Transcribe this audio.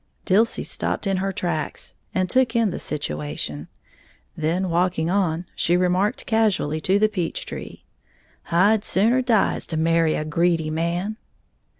Dilsey stopped in her tracks, and took in the situation. Then walking on, she remarked casually to the peach tree, "I'd sooner die as to marry a greedy man!"